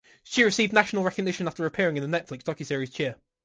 She received national recognition after appearing in the Netflix docuseries "Cheer".